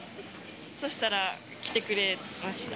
そしたら来てくれました。